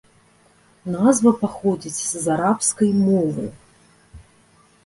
Назва паходзіць з арабскай мовы.